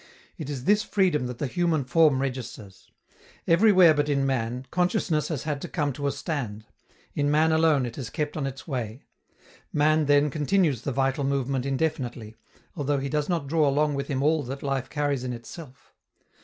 It is this freedom that the human form registers. Everywhere but in man, consciousness has had to come to a stand; in man alone it has kept on its way. Man, then, continues the vital movement indefinitely, although he does not draw along with him all that life carries in itself.